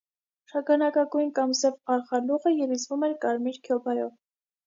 Շագանակագույն կամ սև արխալուղը երիզվում էր կարմիր քյոբայով։